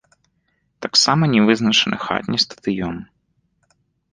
Таксама не вызначаны хатні стадыён.